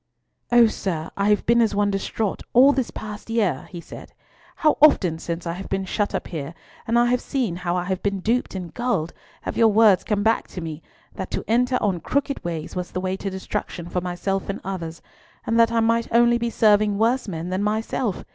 "Oh, sir! I have been as one distraught all this past year," he said. "How often since I have been shut up here, and I have seen how I have been duped and gulled, have your words come back to me, that to enter on crooked ways was the way to destruction for myself and others, and that I might only be serving worse men than myself!